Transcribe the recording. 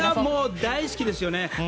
大好きですね。